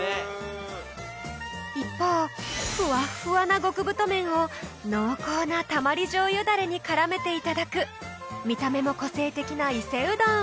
一方ふわっふわな極太麺を濃厚なたまりじょうゆダレに絡めていただく見た目も個性的な伊勢うどん！